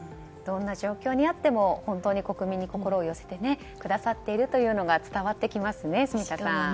どんな状況にあっても国民に心を寄せてくださっているというのが伝わってきますね、住田さん。